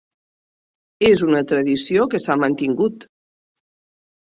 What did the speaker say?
És una tradició que s'ha mantingut.